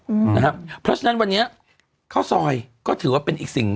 อืมนะครับเพราะฉะนั้นวันนี้ข้าวซอยก็ถือว่าเป็นอีกสิ่ง